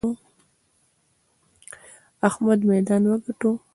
احمد ميدان وګاټه!